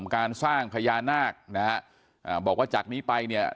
การสร้างพญานาคนะฮะอ่าบอกว่าจากนี้ไปเนี่ย